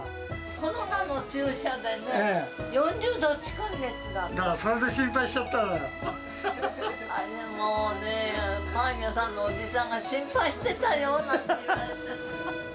コロナの注射でね、４０度近だから、それで心配しちゃっもうね、パン屋さんのおじさんが心配してたよなんて言われて。